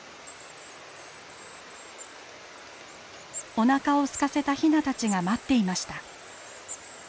おなかをすかせたヒナたちが待っていました。